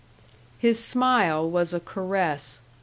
His smile was a caress.